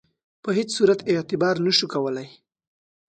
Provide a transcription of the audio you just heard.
په هیڅ صورت اعتبار نه سو کولای.